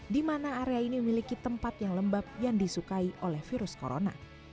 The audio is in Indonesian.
di mana area ini memiliki tempat yang lembab yang disukai oleh virus corona